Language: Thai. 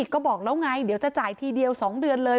ก็บอกแล้วไงเดี๋ยวจะจ่ายทีเดียว๒เดือนเลย